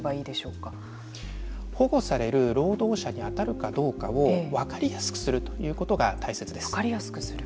保護される労働者にあたるかどうかを分かりやすくするということが大切です。